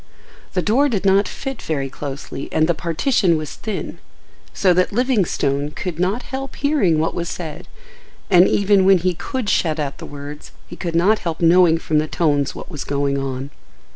The door did not fit very closely and the partition was thin, so that Livingstone could not help hearing what was said, and even when he could shut out the words he could not help knowing from the tones what was going on.